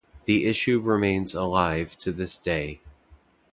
The issue remains alive to this day.